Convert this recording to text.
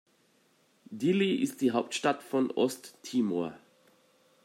Dili ist die Hauptstadt von Osttimor.